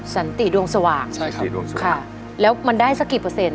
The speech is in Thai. สันติดวงสว่างใช่ครับแล้วมันได้สักกี่เปอร์เซ็น